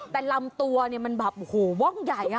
แต่ลำตัวเนี่ยมันแบบโอ้โหว่องใหญ่